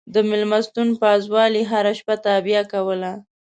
د مېلمستون پازوالې هره شپه تابیا کوله.